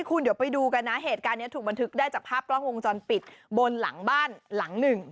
คุณเดี๋ยวไปดูกันนะเหตุการณ์นี้ถูกบันทึกได้จากภาพกล้องวงจรปิดบนหลังบ้านหลังหนึ่ง